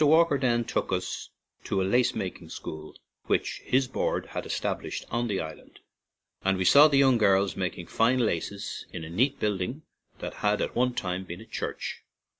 Walker then took us to a lace mak ing school which his Board had estab lished on the island, and we saw the young 107 ON AN IRISH JAUNTING CAR girls making fine laces in a neat build ing that had at one time been a church.